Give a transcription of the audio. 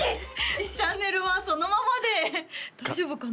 チャンネルはそのままで大丈夫かな？